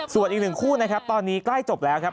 ส่วนอีกหนึ่งคู่นะครับตอนนี้ใกล้จบแล้วครับ